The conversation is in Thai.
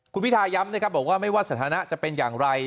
คุณพิทาย้ำนะครับบอกว่าไม่ว่าสถานะจะเป็นอย่างไร